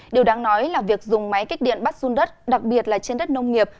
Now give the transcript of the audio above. điều đáng nói là việc dùng máy kích điện bắt run đất đặc biệt là trên đất nông nghiệp